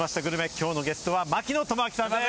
きょうのゲストは槙野智章さんです！